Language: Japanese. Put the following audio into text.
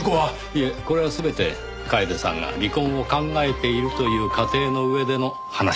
いえこれは全て楓さんが離婚を考えているという仮定の上での話です。